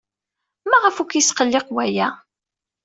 Maɣef ur k-yesqelliq waya?